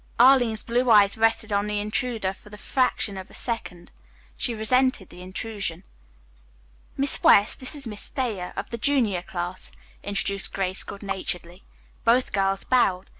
Arline's blue eyes rested on the intruder for the fraction of a second. She resented the intrusion. "Miss West, this is Miss Thayer, of the junior class," introduced Grace good naturedly. Both girls bowed.